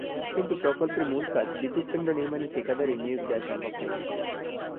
কিন্তু প্রকল্পের মূল কাজ বিদ্যুৎকেন্দ্র নির্মাণের ঠিকাদারই নিয়োগ দেওয়া সম্ভব হয়নি।